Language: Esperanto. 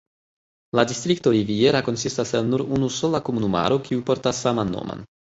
La distrikto Riviera konsistas el nur unu sola komunumaro, kiu portas saman nomon.